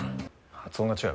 発音が違う。